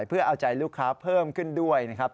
เพื่อเอาใจลูกค้าเพิ่มขึ้นด้วยนะครับ